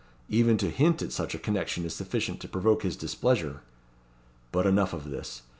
Even to hint at such a connection is sufficient to provoke his displeasure! But enough of this.